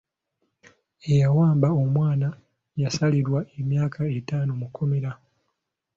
Eyawamba omwana yasalirwa emyaka etaano mu kkomera.